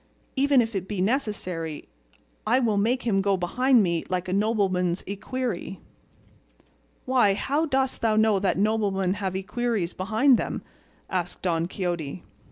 and even if it be necessary, I will make him go behind me like a nobleman's equerry." "Why, how dost thou know that noblemen have equerries behind them?" asked Don Quixote.